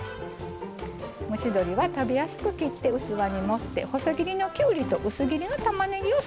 蒸し鶏は食べやすく切って器に盛って細切りのきゅうりと薄切りのたまねぎを添えましたよ。